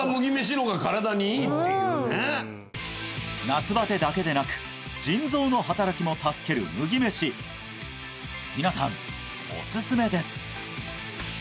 夏バテだけでなく腎臓の働きも助ける麦飯皆さんおすすめです